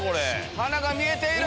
鼻が見えている！